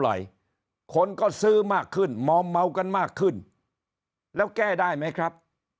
คนก็ซื้อมากขึ้นมอมเมากันมากขึ้นแล้วแก้ได้ไหมครับ